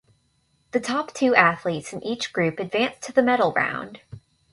The top two athletes in each group advanced to the medal round.